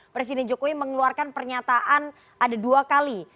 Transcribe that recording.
presiden jokowi mengeluarkan pernyataan ada dua kali